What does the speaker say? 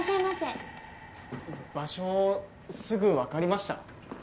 場所すぐわかりました？